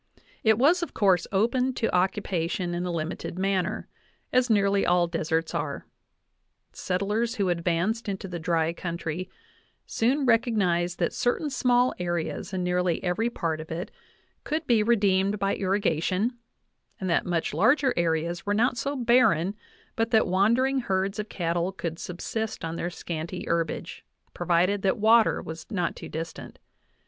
It was, of course, open to occupation in a limited manner, as nearly all deserts are; settlers who advanced into the dry country soon recognized that certain small areas in nearly every part of it could be redeemed by irrigation, and that much larger areas were not so barren but that wandering herds of cattle could subsist on their scanty herbage, provided that water was not too distant.